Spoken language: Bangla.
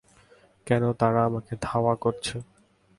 কেন তারা আমাকে ধাওয়া করছে?